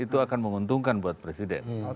itu akan menguntungkan buat presiden